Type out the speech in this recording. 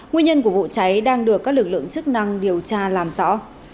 nguyên nhân của vụ cháy đang được các lực lượng chức năng điều tra làm rõ